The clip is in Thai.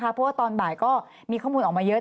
เพราะว่าตอนบ่ายก็มีข้อมูลออกมาเยอะ